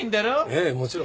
ええもちろん。